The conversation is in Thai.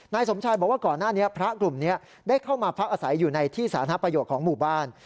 สมชายบอกว่าก่อนหน้านี้พระกลุ่มนี้ได้เข้ามาพักอาศัยอยู่ในที่สาธารณประโยชน์ของหมู่บ้าน